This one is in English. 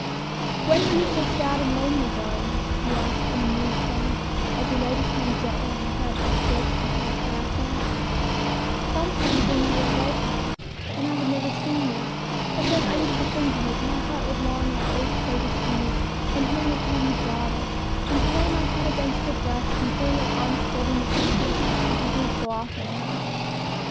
"When were you so sad and lonely, darling?" he asked in a moved tone, as he laid his hand gently on her head, and stroked her hair caressingly. "Sometimes when you were away, papa, and I had never seen you; but then I used to think of you, and my heart would long and ache so to see you, and hear you call me daughter, and to lay my head against your breast and feel your arms folding me close to your heart, as you do so often now."